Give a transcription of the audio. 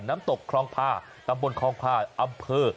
น้ำตกคลองพาตำบลคลองพาอำเภอ